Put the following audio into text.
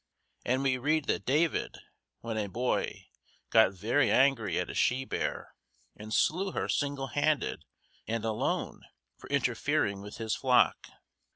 And we read that David, when a boy, got very angry at a she bear and slew her single handed and alone for interfering with his flock.